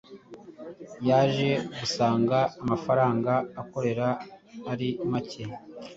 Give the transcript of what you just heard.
yaje gusanga amafaranga akorera ari macye